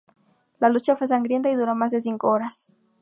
La lucha fue sangrienta y duró más de cinco horas.